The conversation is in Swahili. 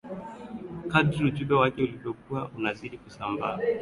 kadri ujumbe wake ulivyokuwa unazidi kusambaa